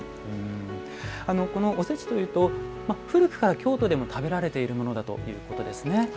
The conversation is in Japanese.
このおせちというと古くから京都でも食べられているものだということですね。